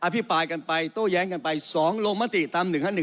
พิปรายกันไปโต้แย้งกันไป๒ลงมติตาม๑๕๑